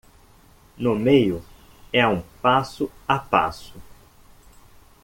No meio é um passo a passo.